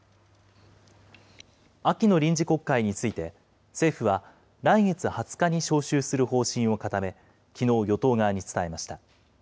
秋の臨時国会について、政府は来月２０日に召集する方針を固め、きのう、与党側に伝えました。